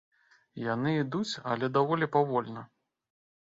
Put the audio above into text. Яны ідуць, але даволі павольна.